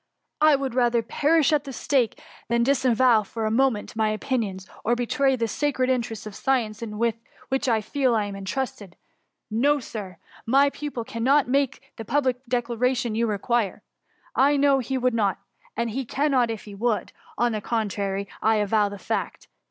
— I would rather perish at the stake, than dis avow, for a moment, my opinions, or betray the sacred interests of science with which I feel I am intrusted. No, Sir ! Tny pupil cannot make the public declaration you require, I know he would not — and he cannot if he would ;— on the contrary, I avow the fact.